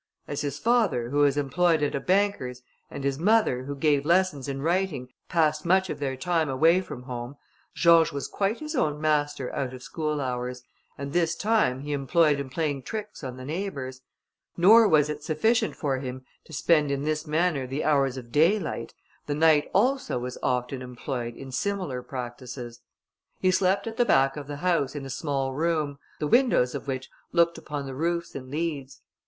As his father, who was employed at a banker's, and his mother, who gave lessons in writing, passed much of their time away from home, George was quite his own master out of school hours, and this time he employed in playing tricks on the neighbours; nor was it sufficient for him to spend in this manner the hours of daylight, the night also was often employed in similar practices. He slept at the back of the house, in a small room, the windows of which looked upon the roofs and leads.